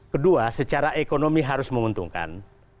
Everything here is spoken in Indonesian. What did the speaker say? kedua secara ekonomi harus menguntungkan